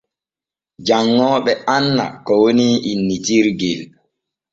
Janŋooɓe anna ko woni innitirgel.